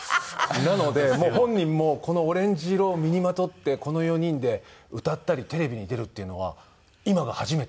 なのでもう本人もこのオレンジ色を身にまとってこの４人で歌ったりテレビに出るっていうのは今が初めて。